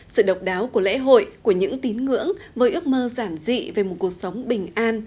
sự độc đáo của lễ hội của những tín ngưỡng với ước mơ giản dị về một cuộc sống bình an